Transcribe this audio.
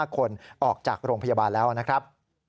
๕คนออกจากโรงพยาบาลแล้วนะครับ